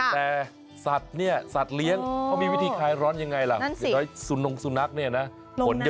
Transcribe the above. แต่สัตว์เนี่ยสัตว์เลี้ยงเขามีวิธีคายร้อนอย่างไรล่ะ